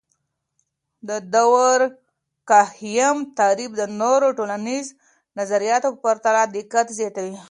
د دورکهايم تعریف د نورو ټولنیزو نظریاتو په پرتله دقت زیاتوي.